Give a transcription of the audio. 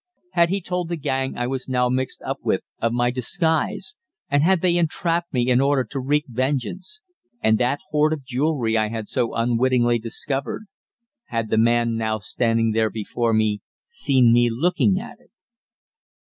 Had he told the gang I was now mixed up with of my disguise, and had they entrapped me in order to wreak vengeance? And that hoard of jewellery I had so unwittingly discovered had the man now standing there before me seen me looking at it?